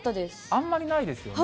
あんまりないですよね。